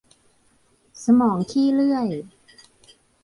สมองขี้เลื้อย